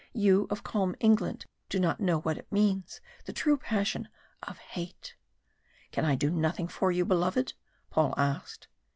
You of calm England do not know what it means the true passion of hate." "Can I do nothing for you, beloved?" Paul asked.